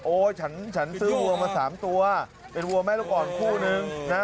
ฉันฉันซื้อวัวมา๓ตัวเป็นวัวแม่ลูกอ่อนคู่นึงนะ